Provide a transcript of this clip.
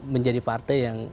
menjadi partai yang